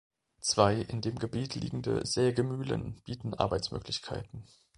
Zwei in dem Gebiet liegende Sägemühlen bieten Arbeitsmöglichkeiten.